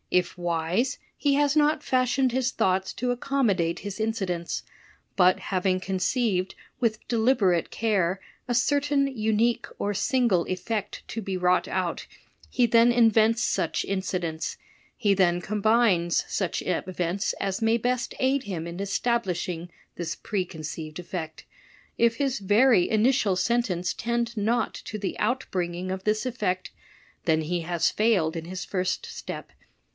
If wise, he has not fashioned his thoughts to accommodate his inci dents; but having conceived, with deliberate care, a certain unique or single effect to be wrought out, he then invents such incidents — he then combines such events as may best aid him in establishing this preconceived effect. If his very initial sentence tend not to the outbringing of this effect, then he has failed in his first step.